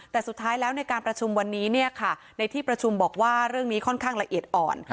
แต่สุดท้ายแล้วในการประชุมวันนี้ในที่ประชุมบอกว่าเรื่องนี้ค่อนข้างละเอียดอ่อน